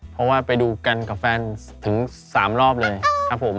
เพราะว่าไปดูกันกับแฟนถึง๓รอบเลยครับผม